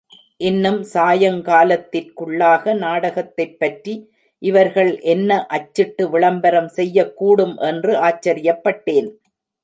இன்னும் சாயங்காலத்திற்குள்ளாக நாடகத்தைப் பற்றி இவர்கள் என்ன அச்சிட்டு விளம்பரம் செய்யக்கூடும் என்று ஆச்சரியப்பட்டேன்.